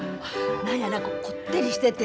何やらこってりしてて。